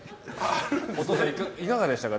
お父さん、いかがでしたか？